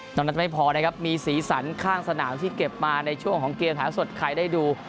ตรงนั้นไม่พอนะครับมีสีสันข้างสนามที่เก็บมาในช่วงของเกมถ่ายสดใครได้ดู